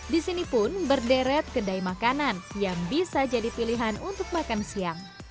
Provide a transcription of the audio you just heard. di sini pun berderet kedai makanan yang bisa jadi pilihan untuk makan siang